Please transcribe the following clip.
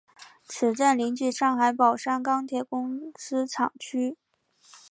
此站邻近上海宝山钢铁公司厂区。